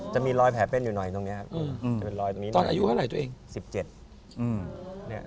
จะมีรอยแผลเป็นอยู่หน่อยตรงนี้จะเป็นรอยตอนอายุเท่าไหร่ตัวเอง๑๗